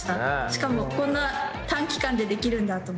しかもこんな短期間でできるんだと思って。